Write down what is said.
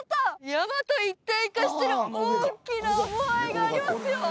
山と一体化してる大きなモアイがありますよ